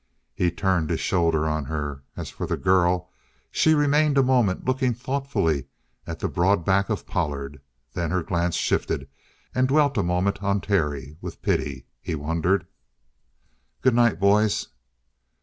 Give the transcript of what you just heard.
He turned his shoulder on her. As for the girl, she remained a moment, looking thoughtfully at the broad back of Pollard. Then her glance shifted and dwelt a moment on Terry with pity, he wondered? "Good night, boys!"